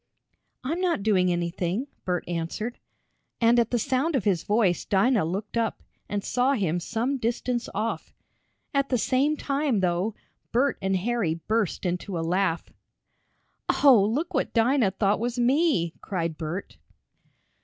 "I'm not doing anything," Bert answered, and at the sound of his voice Dinah looked up and saw him some distance off. At the same time, though, Bert and Harry burst into a laugh. "Oh, look what Dinah thought was me!" cried Bert.